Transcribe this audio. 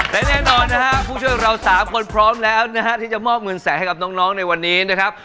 และแน่นอนนะฮะผู้ช่วยเรา๓คนพร้อมแล้วนะฮะที่จะมอบเงินแสนให้กับน้องในวันนี้นะครับ